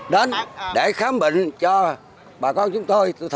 đến để khám bệnh cho bà con chúng tôi